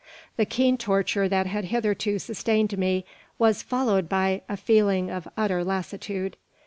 The keen torture that had hitherto sustained me was followed by a feeling of utter lassitude.